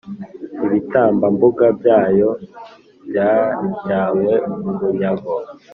Ibitambambuga byayo byajyanywe bunyago,